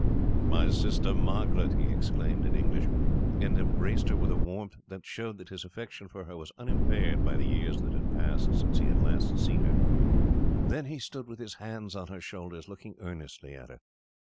"My sister Margaret!" he exclaimed, in English, and embraced her with a warmth that showed that his affection for her was unimpaired by the years that had passed since he last saw her. Then he stood with his hands on her shoulders, looking earnestly at her.